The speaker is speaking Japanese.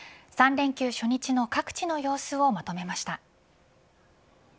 ３連休初日の各地の様子をまとめました。